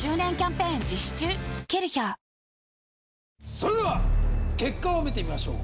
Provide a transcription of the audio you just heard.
それでは結果を見てみましょう。